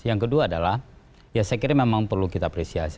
yang kedua adalah ya saya kira memang perlu kita apresiasi